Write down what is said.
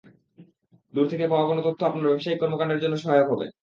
দূর থেকে পাওয়া কোনো তথ্য আপনার ব্যবসায়িক কর্মকাণ্ডের জন্য সহায়ক হবে।